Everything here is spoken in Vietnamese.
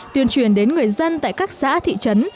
tuyên truyền đến người dân tại các xã thị trấn